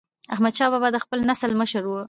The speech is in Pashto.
احمدشاه بابا د خپل نسل مشر و.